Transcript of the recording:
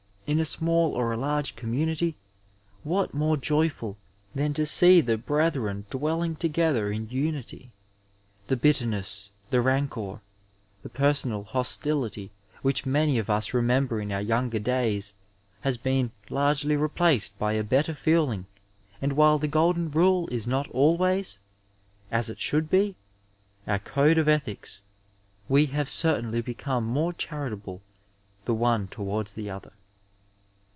In a smaU oi a large community what more joyful than to see the brethren dwelling together in unity. The bitterness, the rancour, the personal hostility w^ch many of us remember in our younger days has been largely replaced by a better feeling and while the golden rule is not always, as it should be, our code of ethics, we have c^tainly become more charitable the one towards the other.